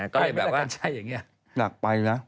ก็เลยแบบว่าไปเมืองกันใช่อย่างนี้นักไปนะ